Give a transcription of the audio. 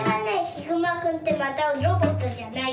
ヒグマくんってまたロボットじゃないから。